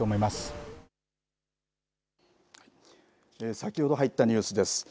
先ほど入ったニュースです。